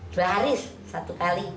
dua hari satu kali